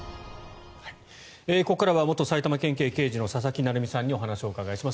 ここからは元埼玉県警刑事の佐々木成三さんにお話をお伺いします。